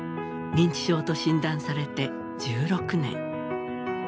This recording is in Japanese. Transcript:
認知症と診断されて１６年。